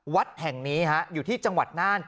วัดแห่งนี้อยู่ที่จังหวัดน่าน